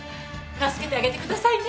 助けてあげてくださいね。